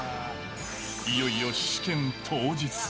いよいよ試験当日。